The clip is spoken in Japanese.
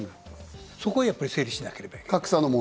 そこをやっぱり整理しなければいけない。